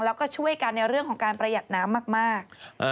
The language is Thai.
แล้วก็ช่วยกันในเรื่องของการประหยัดน้ำมาก